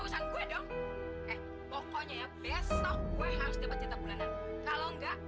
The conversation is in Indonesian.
sampai jumpa di video selanjutnya